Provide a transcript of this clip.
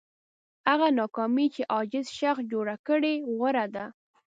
هغه ناکامي چې عاجز شخص جوړ کړي غوره ده.